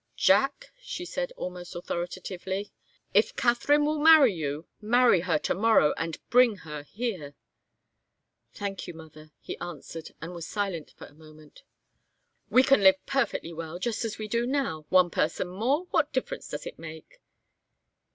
"Jack," she said, almost authoritatively, "if Katharine will marry you, marry her to morrow and bring her here." "Thank you, mother," he answered, and was silent for a moment. "We can live perfectly well just as well as we do now. One person more what difference does it make?"